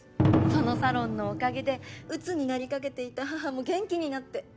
そのサロンのおかげで鬱になりかけていた母も元気になって。